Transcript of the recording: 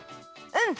うん！